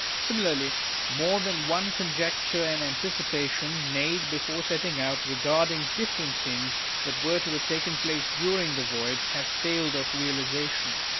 Similarly, more than one conjecture and anticipation, made before setting out, regarding different things that were *to have taken place during the voyage, have failed of realisation.